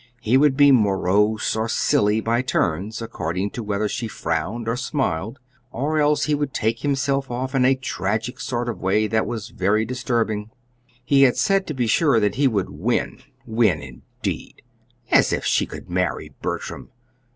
He would be morose or silly by turns, according to whether she frowned or smiled; or else he would take himself off in a tragic sort of way that was very disturbing. He had said, to be sure, that he would "win." Win, indeed! As if she could marry Bertram!